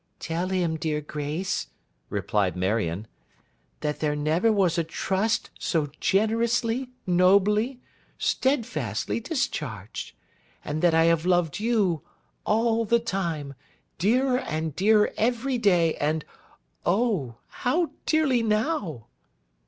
'Tell him, dear Grace,' replied Marion, 'that there never was a trust so generously, nobly, steadfastly discharged; and that I have loved you, all the time, dearer and dearer every day; and O! how dearly now!